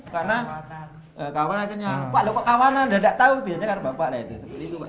karena kawanannya kenyang pak kok kawanan tidak tahu biasanya kan bapak